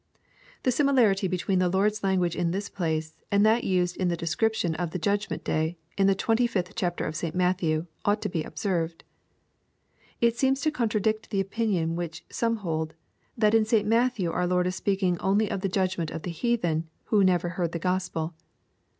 The similarity between the Lord's language in this place, and that used in the description of the judgment day, in the 25th chapter of St. Matthew, ought to be observed. It seems to con tradict the opinion which some hold, that in St. Matthew our Lord is speaking only of the judgment of the heathen who never heard the Gospel.